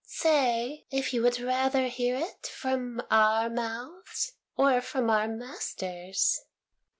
"Say if you would rather hear it from our mouths or from our masters?"